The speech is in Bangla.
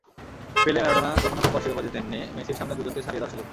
পেলে, ম্যারাডোনা কখনো কোপার শিরোপা জেতেননি, মেসির সামনে দুজনকে ছাড়িয়ে যাওয়ার সুযোগ।